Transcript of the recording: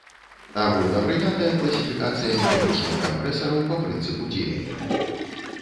Агульнапрынятая класіфікацыя механічных кампрэсараў па прынцыпу дзеяння.